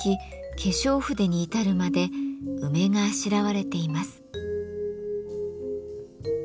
化粧筆に至るまで梅があしらわれています。